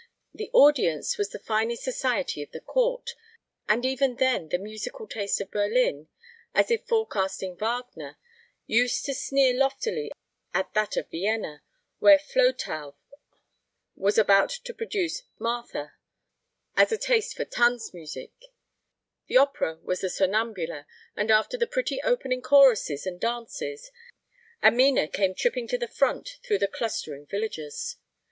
The audience was the finest society of the court; and even then the musical taste of Berlin, as if forecasting Wagner, used to sneer loftily at that of Vienna, where Flotow was about to produce "Martha," as a taste for tanzmusik. The opera was the "Sonnambula," and after the pretty opening choruses and dances, Amina came tripping to the front through the clustering villagers.